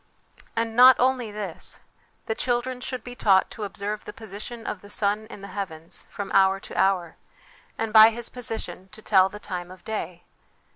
And not only this: the children should be taught to observe the position of the sun in the heavens from hour to hour, and by his position, to tell the time of day.